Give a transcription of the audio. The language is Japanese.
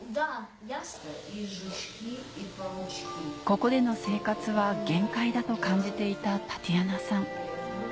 ・ここでの生活は限界だと感じていたタティアナさん